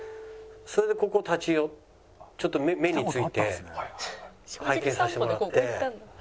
それでここ立ち寄ってちょっと目について拝見させてもらって。